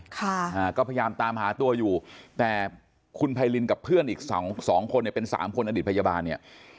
ค่ะอ่าก็พยายามตามหาตัวอยู่แต่คุณไพรินกับเพื่อนอีกสองสองคนเนี่ยเป็นสามคนอดีตพยาบาลเนี่ย